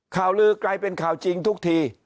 ข่าวลือกลายเป็นข่าวจริงทุกที